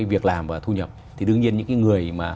việc làm và thu nhập thì đương nhiên những người mà